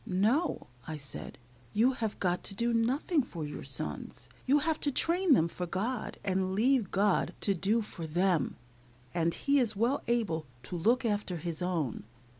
"No," I said, "you have got to do nothing for your sons. You have to train them for God, and leave GOD to do for them, and He is well able to look after His own.